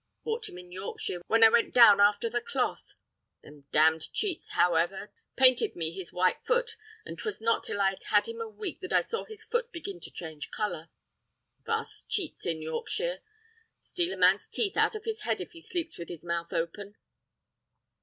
Bought him in Yorkshire when I went down after the cloth. Them damned cheats, however, painted me his white foot, and 'twas not till I'd had him a week that I saw his foot begin to change colour. Vast cheats in Yorkshire! Steal a man's teeth out of his head if he sleeps with his mouth open."